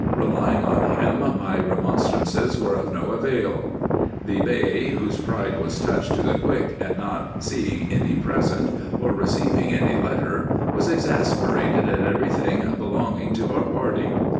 Belying on him, my remonstrances were of no avail. The Bey, whose pride was touched to the quick at not seeing any present, or receiving any letter, was exasperated at every thing belonging to our party.